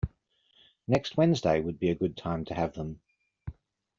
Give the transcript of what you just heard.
Next Wednesday would be a good time to have them.